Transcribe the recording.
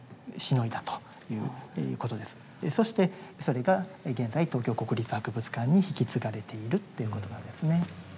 そしてそれが現在東京国立博物館に引き継がれているということなんですね。